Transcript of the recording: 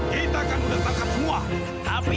kita sudah menangkap semua